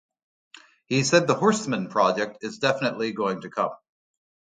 He said The Horsemen project is definitely going to come.